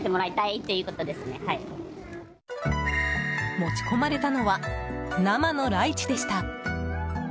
持ち込まれたのは生のライチでした。